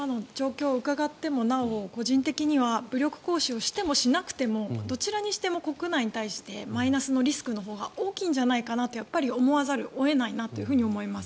今の状況を伺ってもなお個人的には武力行使をしてもしなくてもどちらにしても国内に対してマイナスの影響が大きいとやっぱり思わざるを得ないなと思います。